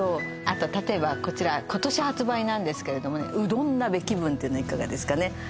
あと例えばこちら今年発売なんですけれども饂飩鍋気分っていうのいかがですかね